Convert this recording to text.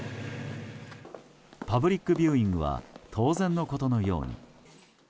パブリックビューイングは当然のことのように。